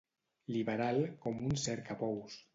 Liberal com un cercapous.